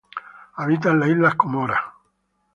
Habita en las islas Comoras.